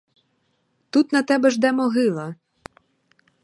Тут на тебе жде могила!